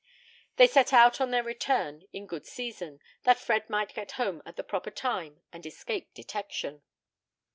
They set out on their return in good season, that Fred might get home at the proper time, and escape detection.